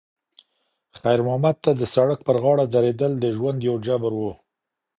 خیر محمد ته د سړک پر غاړه درېدل د ژوند یو جبر و.